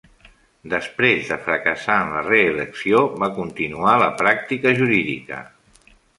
Després de fracassar en la reelecció, va continuar la pràctica jurídica.